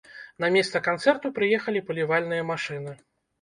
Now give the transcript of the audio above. На месца канцэрту прыехалі палівальныя машыны.